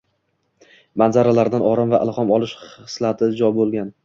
manzaralardan orom va ilhom olish xislati jo bo‘lgan